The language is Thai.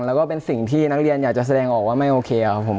แล้วก็เป็นสิ่งที่นักเรียนอยากจะแสดงออกว่าไม่โอเคครับผม